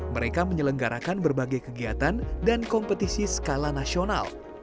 mereka menyelenggarakan berbagai kegiatan dan kompetisi skala nasional